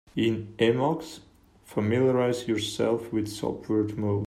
In Emacs, familiarize yourself with subword mode.